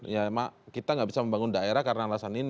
ya emang kita nggak bisa membangun daerah karena alasan ini